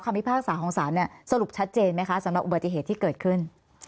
พิพากษาของศาลเนี่ยสรุปชัดเจนไหมคะสำหรับอุบัติเหตุที่เกิดขึ้น